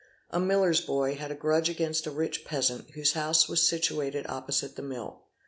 A miller's boy had a grudge against a rich peasant, whose house was situated opposite the mill.